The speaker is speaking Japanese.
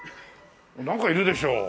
なんかいるでしょう。